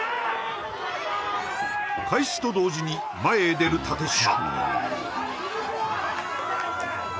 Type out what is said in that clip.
開始と同時に前へ出る立嶋